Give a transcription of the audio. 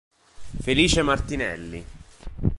Felice Martinelli